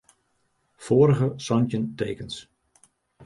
Foarige santjin tekens.